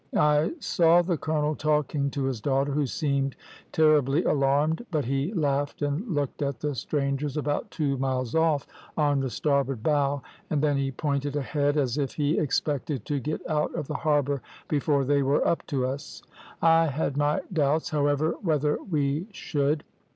I saw the colonel talking to his daughter, who seemed terribly alarmed; but he laughed and looked at the strangers about two miles off on the starboard bow, and then he pointed ahead as if he expected to get out of the harbour before they were up to us; I had my doubts, however, whether we should.